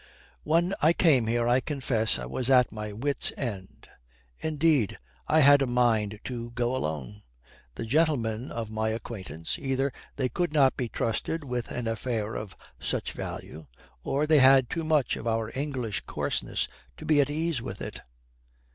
"When I came here I confess I was at my wit's end. Indeed, I had a mind to go alone. The gentlemen of my acquaintance either they could not be trusted with an affair of such value, or they had too much of our English coarseness to be at ease with it.